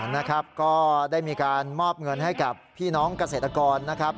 นะครับก็ได้มีการมอบเงินให้กับพี่น้องเกษตรกรนะครับ